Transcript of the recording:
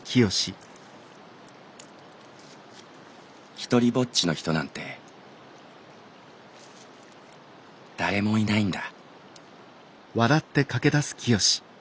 「独りぼっちの人なんて誰もいないんだ」。